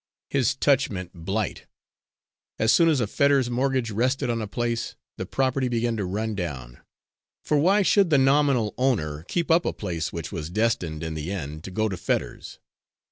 His touch meant blight. As soon as a Fetters mortgage rested on a place, the property began to run down; for why should the nominal owner keep up a place which was destined in the end to go to Fetters?